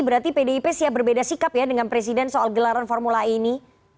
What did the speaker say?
berarti pdip siap berbeda sikap ya dengan presiden soal gelaran formula e ini